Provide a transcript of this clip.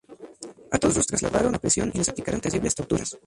A todos los trasladaron a prisión y les aplicaron terribles torturas.